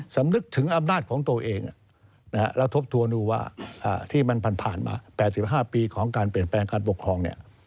สำนึกถึงอำนาจของตัวเองแล้วทบทวนดูว่าที่มันผ่านมา๘๕ปีของการเปลี่ยนแปลงการปกครอง